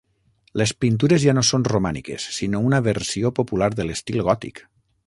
Les pintures ja no són romàniques sinó una versió popular de l'estil gòtic.